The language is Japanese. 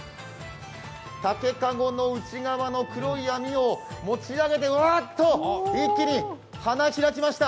竹籠の内側の黒い網を持ち上げてうわっと、一気に花開きました。